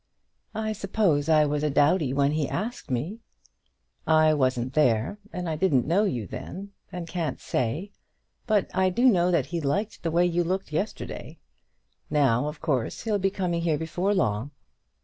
"I suppose I was a dowdy when he asked me." "I wasn't there, and didn't know you then, and can't say. But I do know that he liked the way you looked yesterday. Now, of course, he'll be coming here before long."